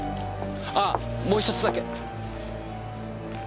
あっもう１つだけ！